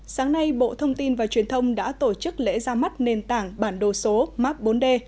sáng nay bộ thông tin và truyền thông đã tổ chức lễ ra mắt nền tảng bản đồ số map bốn d